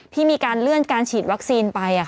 ที่มีการเลื่อนการฉีดวัคซีนไป